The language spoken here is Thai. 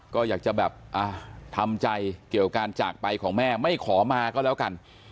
ก็อยากจะแบบทำใจเกี่ยวการจากไปของแม่ไม่ขอมาก็แล้วกัน